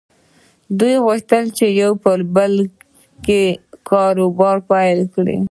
دوی غوښتل چې په بل ځای کې کاروبار پيل کړي.